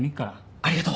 ありがとう。